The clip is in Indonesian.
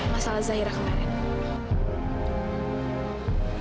masalah zahira kemarin